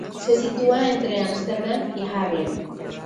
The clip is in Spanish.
Se sitúa entre Ámsterdam y Haarlem.